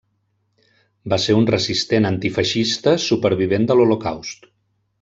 Va ser un resistent antifeixista, supervivent de l'Holocaust.